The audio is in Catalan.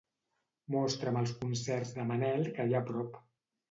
Mostra'm els concerts de Manel que hi ha a prop.